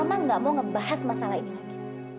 emang gak mau ngebahas masalah ini lagi